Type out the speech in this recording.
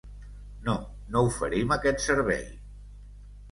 No, no oferim aquest servei.